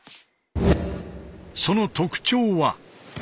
その特徴は？